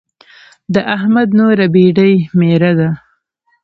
د احمد نوره بېډۍ ميره ده.